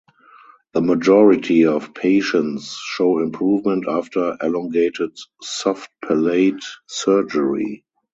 The majority of patients show improvement after elongated soft palate surgery.